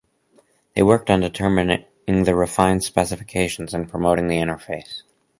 They worked on determining the refined specifications and promoting the interface.